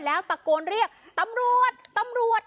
แล้วตะโกนเรียกตำรวจตำรวจ